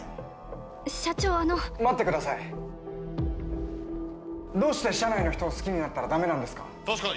◆待ってください、どうして社内の人を好きになったらだめなんですか。